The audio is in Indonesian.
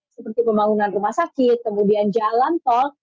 seperti pembangunan rumah sakit kemudian jalan tol